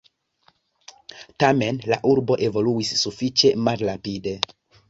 Tamen la urbo evoluis sufiĉe malrapide.